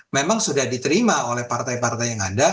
memang sudah diterima oleh partai partai yang ada